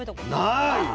ない。